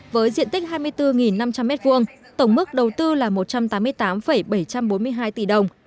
với diện tích hai mươi bốn năm trăm linh m hai tổng mức đầu tư là một trăm tám mươi tám bảy trăm bốn mươi hai tỷ đồng